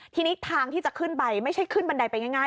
ทีนี้ทางที่จะขึ้นไปไม่ใช่ขึ้นบันไดไปง่าย